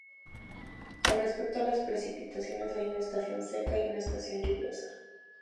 Con respecto a las precipitaciones, hay una estación seca y una estación lluviosa.